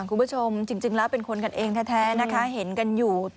คุณผู้ชมจริงแล้วเป็นคนกันเองแท้นะคะเห็นกันอยู่